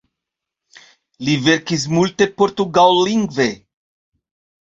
Li verkis multe portugallingve.